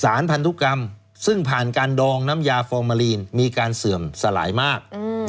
พันธุกรรมซึ่งผ่านการดองน้ำยาฟอร์มาลีนมีการเสื่อมสลายมาก